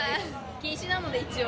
禁止なので、一応。